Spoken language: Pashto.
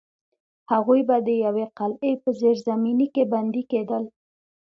هغوی به د یوې قلعې په زیرزمینۍ کې بندي کېدل.